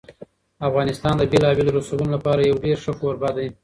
افغانستان د بېلابېلو رسوبونو لپاره یو ډېر ښه کوربه دی.